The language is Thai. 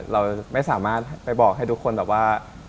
เราไม่สามารถไปบอกให้ทุกคนแบบว่า